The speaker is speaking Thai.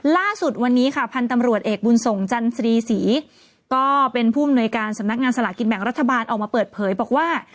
ล่าสุดวันนี้ค่ะพันธุ์ตำรวจเอกบุญส่งจันทรีศรีก็เป็นผู้อำนวยการสำนักงานสลากินแบ่งรัฐบาลออกมาเปิดเผยบอกว่า